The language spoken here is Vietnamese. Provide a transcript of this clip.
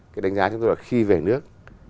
cái đánh giá chúng tôi là khi về nước